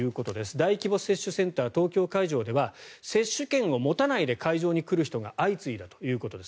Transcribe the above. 大規模接種センター東京会場では接種券を持たないで会場に来る人が相次いだということです。